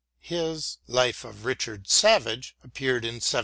His " Life of Richard Savage " appeared in 1744.